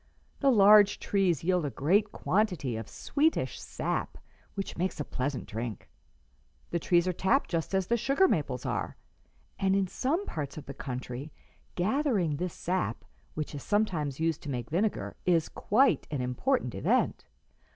The large trees yield a great quantity of sweetish sap, which makes a pleasant drink. The trees are tapped just as the sugar maples are, and in some parts of the country gathering this sap, which is sometimes used to make vinegar, is quite an important event."